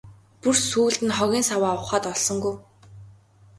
Бүр сүүлд нь хогийн саваа ухаад олсонгүй.